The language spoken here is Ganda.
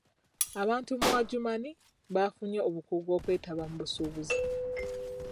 Abantu mu Adjumani bafunye obukugu okweetaba mu busuubuzi.